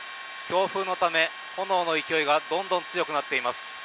強風のため、炎の勢いがどんどん強くなっています。